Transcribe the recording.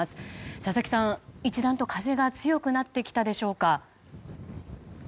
佐々木さん、一段と風が強くなってきたでしょうか。